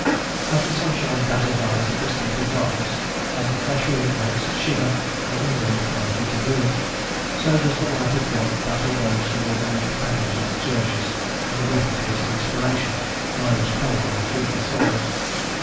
As the sunshine dazzles eyes accustomed to the darkness, as the fresh wind makes shiver an invalid from a heated room, so does the light of God dazzle those who live amid the candles of the Churches, and the breath of His inspiration blows cold on feeble souls.